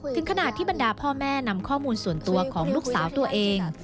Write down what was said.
ถึงขนาดที่บรรดาพ่อแม่นำข้อมูลส่วนตัวของลูกสาวตัวเอง